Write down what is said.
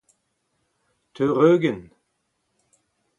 teureugenn